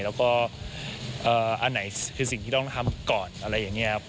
แล้วก็อันไหนคือสิ่งที่ต้องทำก่อนอะไรอย่างนี้ครับ